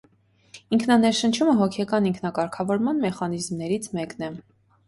Ինքնաներշնչումը հոգեկան ինքնակարգավորման մեխանիզմներից մեկն է։